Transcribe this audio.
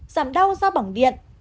giảm đau do bỏng điện